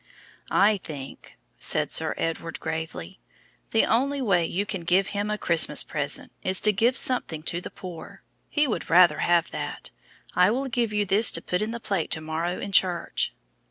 "I think," said Sir Edward, gravely, "the only way you can give Him a Christmas present is to give something to the poor. He would rather have that. I will give you this to put in the plate to morrow in church."